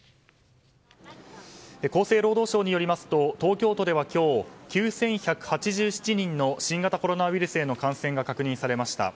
厚生労働省によりますと東京都では今日９１８７人の新型コロナウイルスへの感染が確認されました。